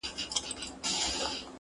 ورور گلوي له مظلومانو سره وایي-